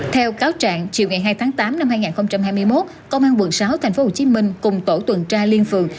theo cáo trạng chiều ngày hai tháng tám năm hai nghìn hai mươi một công an quận sáu tp hcm cùng tổ tuần tra liên phường